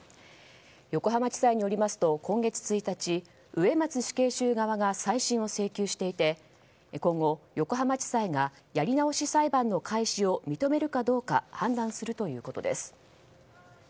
横浜地裁によりますと今月１日植松死刑囚側が再審を請求していて今後、横浜地裁がやり直し裁判の開始を認めるかどうか判断するということです。